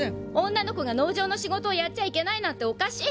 女の子が農場の仕事をやっちゃいけないなんておかしい！